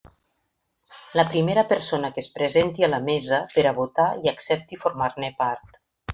La primera persona que es presenti a la mesa per a votar i accepti formar-ne part.